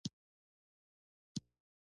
• انسان د خپلو تصمیمونو بندي دی.